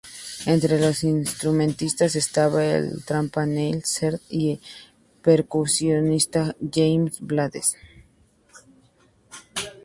Entre los instrumentistas estaba el trompa Neill Sanders y el percusionista James Blades.